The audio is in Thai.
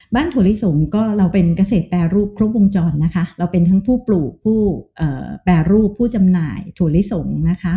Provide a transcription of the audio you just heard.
ถั่วลิสงก็เราเป็นเกษตรแปรรูปครบวงจรนะคะเราเป็นทั้งผู้ปลูกผู้แปรรูปผู้จำหน่ายถั่วลิสงนะคะ